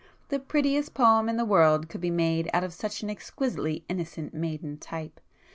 The prettiest poem in the world could be made out of such an exquisitely innocent maiden type!